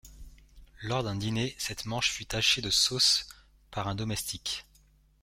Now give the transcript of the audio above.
Lors d'un diner, cette manche fut tachée de sauce par un domestique.